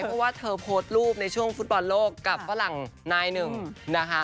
เพราะว่าเธอโพสต์รูปในช่วงฟุตบอลโลกกับฝรั่งนายหนึ่งนะคะ